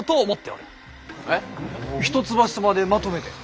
一橋様でまとめて？